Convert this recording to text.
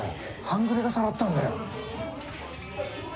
半グレがさらったんだよ。